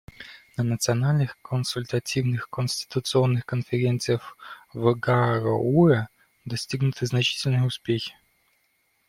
На национальных консультативных конституционных конференциях в Гароуэ достигнуты значительные успехи.